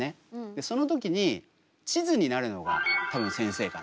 でその時に地図になるのが多分先生かな。